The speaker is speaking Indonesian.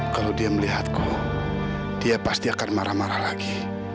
kalau dia melihatku dia pasti akan marah marah lagi